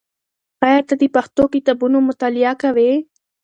آیا ته د پښتو کتابونو مطالعه کوې؟